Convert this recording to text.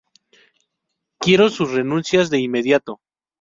Quiero sus renuncias de inmediato.